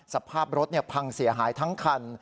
สภาพรถพังเสียหายทั้งคัน